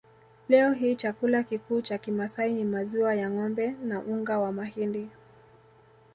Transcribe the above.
Leo hii chakula kikuu cha Kimasai ni maziwa ya ngombe na unga wa mahindi